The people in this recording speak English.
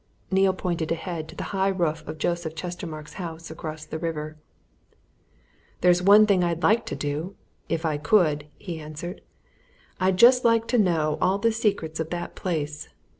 Neale pointed ahead to the high roof of Joseph Chestermarke's house across the river. "There's one thing I'd like to do if I could," he answered. "I'd just like to know all the secrets of that place!